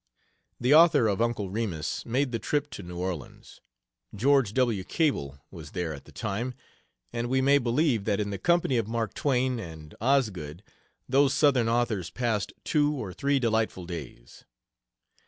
The author of "Uncle Remus" made the trip to New Orleans. George W. Cable was there at the time, and we may believe that in the company of Mark Twain and Osgood those Southern authors passed two or three delightful days.